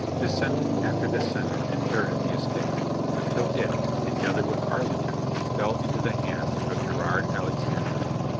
Descendant after descendant inherited the estate, until it, together with Arling ton, fell into the hands of Girard Alexander.